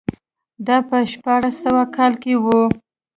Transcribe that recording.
دا په شپاړس سوه کال کې و.